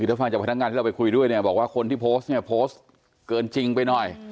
ถ้าฟังจากพนักงานที่เราไปคุยด้วยเนี่ยบอกว่าคนที่โพสต์เนี่ยโพสต์เกินจริงไปหน่อย